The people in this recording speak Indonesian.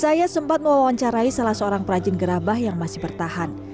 saya sempat mewawancarai salah seorang perajin gerabah yang masih bertahan